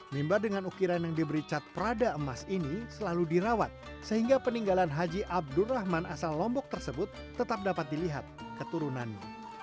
mimbar dengan ukiran yang diberi cat perada emas ini selalu dirawat sehingga peninggalan haji abdul rahman asal lombok tersebut tetap dapat dilihat keturunannya